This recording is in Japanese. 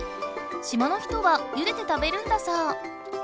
島の人はゆでて食べるんだそう。